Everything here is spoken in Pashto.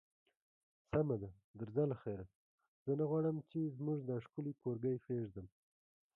سمه ده، درځه له خیره، زه نه غواړم چې زموږ دا ښکلی کورګی پرېږدم.